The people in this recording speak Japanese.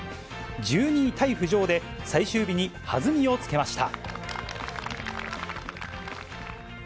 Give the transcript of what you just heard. １２位タイ浮上で、最終日に弾みをつけました。